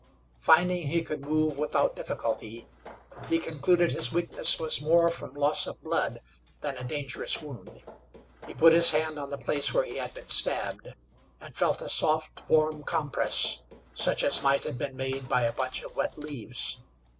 Finding he could move without difficulty, he concluded his weakness was more from loss of blood than a dangerous wound. He put his hand on the place where he had been stabbed, and felt a soft, warm compress such as might have been made by a bunch of wet leaves.